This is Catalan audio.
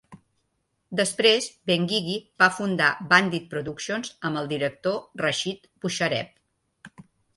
Després, Benguigui va fundar "Bandit Productions" amb el director Rachid Bouchareb.